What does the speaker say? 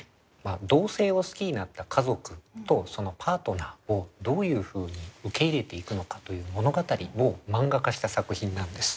同性を好きになった家族とそのパートナーをどういうふうに受け入れていくのかという物語をマンガ化した作品なんです。